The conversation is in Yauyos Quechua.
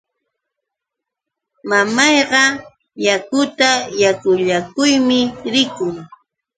Mamayqa yakuta yakullakuqmi rikun.